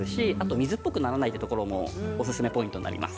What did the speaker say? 水っぽくならないところもおすすめポイントです。